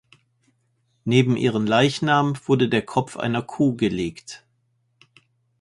Neben ihren Leichnam wurde der Kopf einer Kuh gelegt.